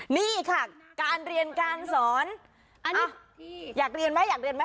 นี่ค่ะการเรียนการสอนอันนี้อยากเรียนไหมอยากเรียนไหม